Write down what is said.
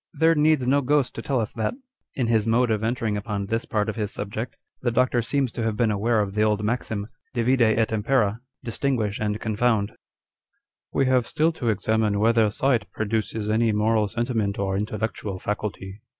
" There needs no ghost to tell us that." In his mode of entering upon this part of his subject, the Doctor seems to have been aware of the old maxim â€" Divide et impera â€" Distinguish and confound !" We have still to examine whether sight produces any moral sentiment or intellectual faculty.